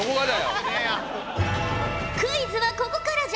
クイズはここからじゃ。